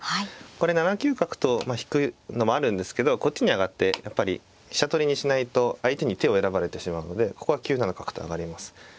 これ７九角と引くのもあるんですけどこっちに上がってやっぱり飛車取りにしないと相手に手を選ばれてしまうのでここは９七角と上がります。